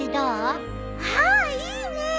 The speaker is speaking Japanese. ああいいねえ！